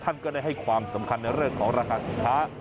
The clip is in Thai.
ท่านก็ได้ให้ความสำคัญในเรื่องของราคาสินค้า